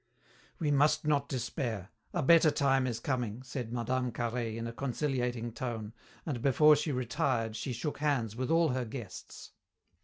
"We must not despair. A better time is coming," said Mme. Carhaix in a conciliating tone, and before she retired she shook hands with all her guests.